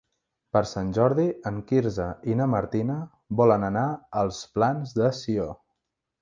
Per Sant Jordi en Quirze i na Martina volen anar als Plans de Sió.